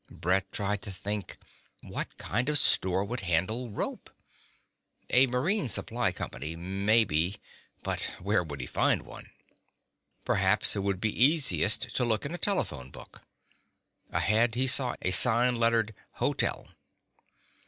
Brett tried to think. What kind of store would handle rope? A marine supply company, maybe. But where would he find one? Perhaps it would be easiest to look in a telephone book. Ahead he saw a sign lettered HOTEL.